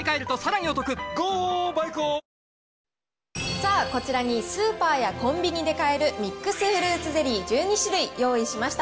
さあ、こちらにスーパーやコンビニで買える、ミックスフルーツゼリー１２種類、用意しました。